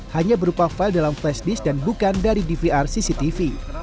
hanya berupa file dalam flash disk dan bukan dari dvr cctv